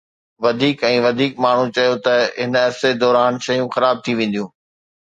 وڌيڪ ۽ وڌيڪ ماڻهن چيو ته هن عرصي دوران شيون خراب ٿي وينديون